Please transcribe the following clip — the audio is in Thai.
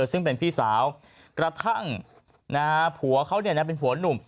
ซึ่งเป็นพี่สาวกระทั่งนะฮะผัวเขาเนี่ยนะเป็นผัวหนุ่ม